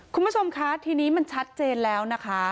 คุณผู้ชมคะทีนี้มันชัดเจนแล้วนะคะ